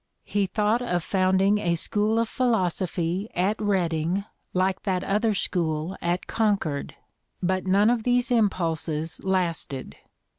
He thought of founding a School of Philosophy at Redding like that other school at Con cord. But none of these impulses lasted.